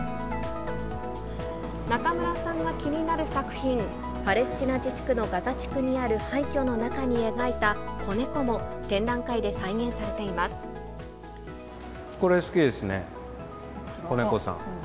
中村さんが気になる作品、パレスチナ自治区のガザ地区にある廃虚の中に描いた子猫も、これ、好きですね、子猫さん。